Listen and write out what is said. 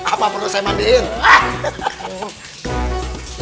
apa perlu saya mandiin